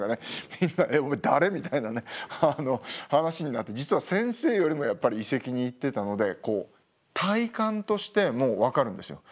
みんな「お前誰？」みたいな話になって実は先生よりもやっぱり遺跡に行ってたので体感としてもう分かるんですよ。